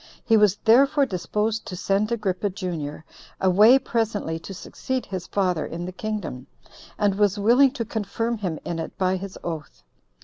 He was therefore disposed to send Agrippa, junior, away presently to succeed his father in the kingdom, and was willing to confirm him in it by his oath.